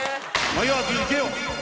迷わず行けよ。